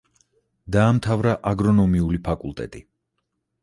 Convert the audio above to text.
დაამთავრა აგრონომიული ფაკულტეტი.